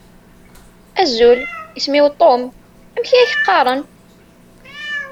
Azul, isem-iw Tom. Amek i ak-qqaṛen?